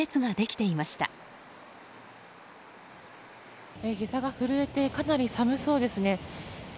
ひざが震えてかなり寒そうですね。